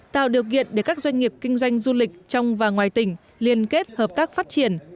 tạo điều kiện để các doanh nghiệp kinh doanh du lịch trong và ngoài tỉnh liên kết hợp tác phát triển